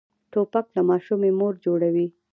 توپک له ماشومې مور جوړوي.